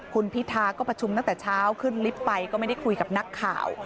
คุณพิธาก็ประชุมตั้งแต่เช้าขึ้นลิฟต์ไปก็ไม่ได้คุยกับนักข่าว